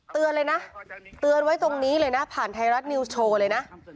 เตือนเลยนะเตือนไว้ตรงนี้เลยนะผ่านไทยรัฐนิวส์โชว์เลยนะ